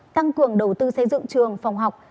tăng cường đầu tư xây dựng trường phòng học